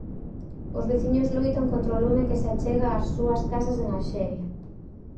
Os veciños loitan contra o lume que se achega ás súas casas en Alxeria.